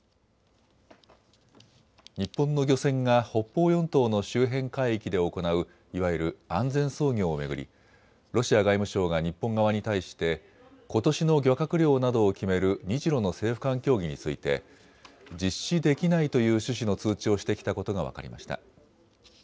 日本の漁船が北方四島の周辺海域で行ういわゆる安全操業を巡り、ロシア外務省が日本側に対してことしの漁獲量などを決める日ロの政府間協議について実施できないという趣旨の通知をしてきたことが分かりました。